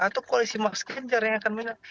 atau koalisi mas kenjar yang akan menang